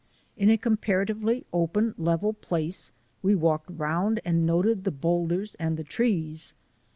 In a comparatively open level place we walked round and noted the boulders and the trees.